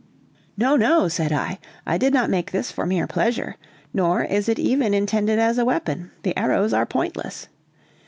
"No, no!" said I, "I did not make this for mere pleasure, nor is it even intended as a weapon, the arrows are pointless.